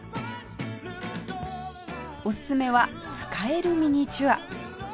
おすすめは使えるミニチュア